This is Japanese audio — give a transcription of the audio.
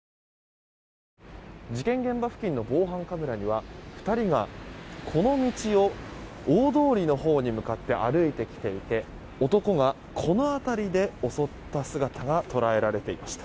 事件現場付近の防犯カメラには２人がこの道を大通りのほうに向かって歩いてきていて男が、この辺りで襲った姿が捉えられていました。